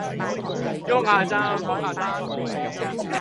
你好我好大家好